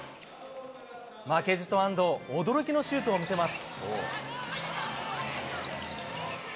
負けじと安藤驚きのシュートを見せます。